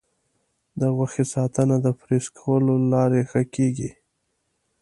د غوښې ساتنه د فریز کولو له لارې ښه کېږي.